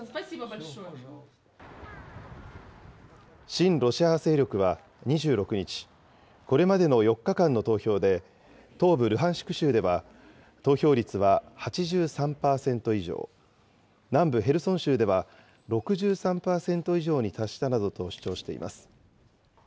親ロシア派勢力は２６日、これまでの４日間の投票で、東部ルハンシク州では、投票率は８３％以上、南部ヘルソン州では６３％以上に達したなどと主張しています。